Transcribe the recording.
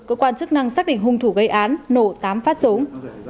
cơ quan chức năng xác định hung thủ gây án nổ tám phát súng